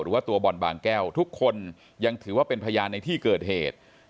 ว่าตัวบ่อนบางแก้วทุกคนยังถือว่าเป็นพยานในที่เกิดเหตุ